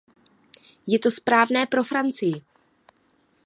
Je to správné pro Francii.